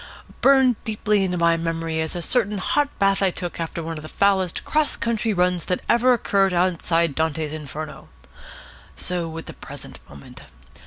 Burned deeply into my memory is a certain hot bath I took after one of the foulest cross country runs that ever occurred outside Dante's Inferno. So with the present moment.